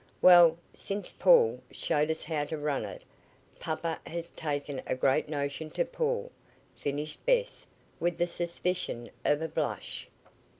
"Well, since Paul showed us how to run it. Papa has taken a great notion to Paul," finished Bess with the suspicion of a blush.